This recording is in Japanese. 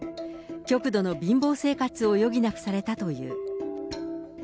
極度の貧乏生活を余儀なくされたという。